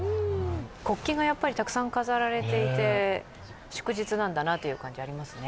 国旗がたくさん飾られていて、祝日なんだなという感じがありますね。